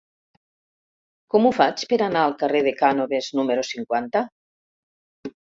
Com ho faig per anar al carrer de Cànoves número cinquanta?